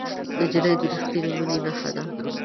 نجلۍ د رښتینې مینې نښه ده.